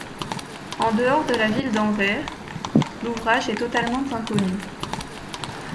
En dehors de la ville d’Anvers, l'ouvrage est totalement inconnu.